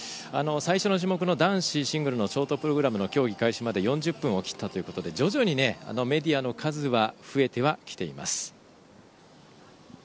最初の種目、男子シングルのショートプログラムの競技開始まで４０分を切ったということで徐々にメディアの数は増えてはきています。